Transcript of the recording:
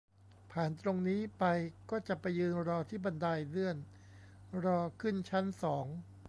ผ่านตรงนี้ไปก็จะไปยืนรอที่บันไดเลื่อน รอขึ้นชั้นสอง